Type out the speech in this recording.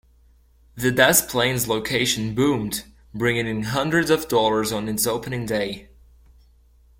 The Des Plaines location boomed, bringing in hundreds of dollars on its opening day.